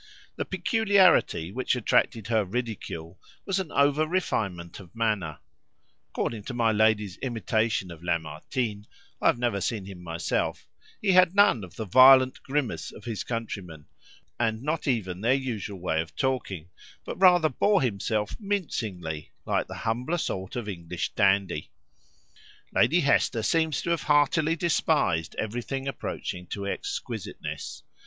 The peculiarity which attracted her ridicule was an over refinement of manner: according to my lady's imitation of Lamartine (I have never seen him myself), he had none of the violent grimace of his countrymen, and not even their usual way of talking, but rather bore himself mincingly, like the humbler sort of English dandy. Lady Hester seems to have heartily despised everything approaching to exquisiteness.